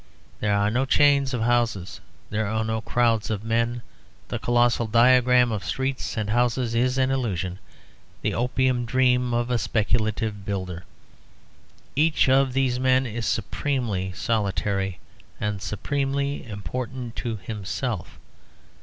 There are no chains of houses; there are no crowds of men. The colossal diagram of streets and houses is an illusion, the opium dream of a speculative builder. Each of these men is supremely solitary and supremely important to himself.